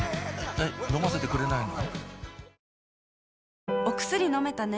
えっ飲ませてくれないの？